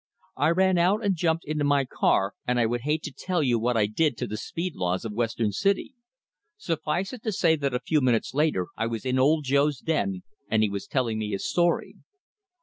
I ran out and jumped into my car and I would hate to tell what I did to the speed laws of Western City. Suffice it to say that a few minutes later I was in Old Joe's den, and he was telling me his story.